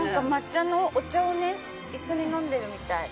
抹茶のお茶を一緒に飲んでるみたい。